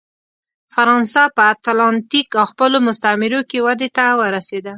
فرانسه په اتلانتیک او خپلو مستعمرو کې ودې ته ورسېده.